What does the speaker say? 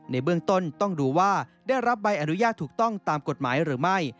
ในเบื้องต้นต้องดูว่าได้รับใบอนุญาตถูกต้องตามกฎหมายหรือไม่